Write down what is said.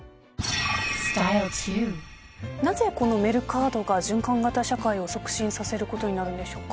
なぜこの「メルカード」が循環型社会を促進させることになるんでしょうか？